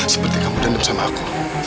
seperti kamu dendam sama aku